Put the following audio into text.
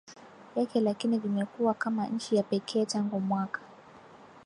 Yake lakini vimekuwa kama nchi ya pekee tangu mwaka